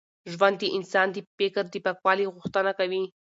ژوند د انسان د فکر د پاکوالي غوښتنه کوي.